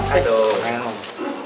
aduh kenang om